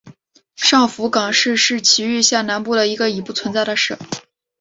上福冈市是崎玉县南部的一个已不存在的市。